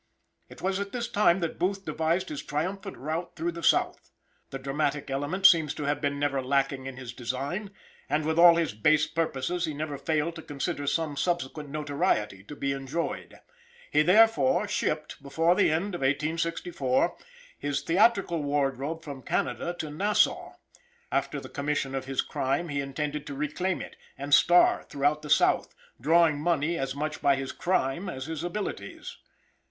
It was at this time that Booth devised his triumphant route through the South. The dramatic element seems to have been never lacking in his design, and with all his base purposes he never failed to consider some subsequent notoriety to be enjoyed. He therefore shipped, before the end of 1864, his theatrical wardrobe from Canada to Nassau. After the commission of his crime he intended to reclaim it, and "star" through the South, drawing money as much by his crime as his abilities.